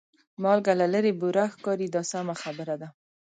مالګه له لرې بوره ښکاري دا سمه خبره ده.